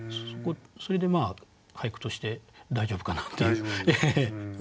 それで俳句として大丈夫かなって思います。